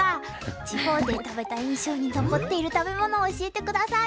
地方で食べた印象に残っている食べ物を教えて下さい。